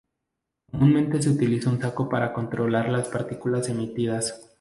Comúnmente se utiliza un saco para controlar las partículas emitidas.